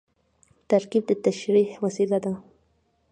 ترکیب د تشریح وسیله ده.